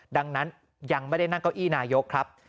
ดังนั้นยังไม่ได้นั่งเก้าอี้นายกครับ